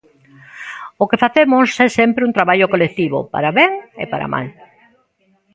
O que facemos é sempre un traballo colectivo, para ben e para mal.